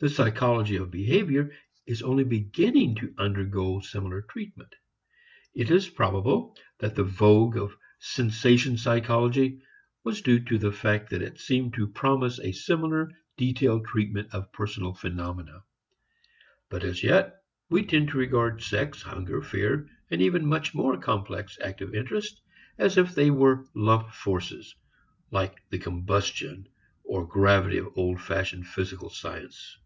The psychology of behavior is only beginning to undergo similar treatment. It is probable that the vogue of sensation psychology was due to the fact that it seemed to promise a similar detailed treatment of personal phenomena. But as yet we tend to regard sex, hunger, fear, and even much more complex active interests as if they were lump forces, like the combustion or gravity of old fashioned physical science.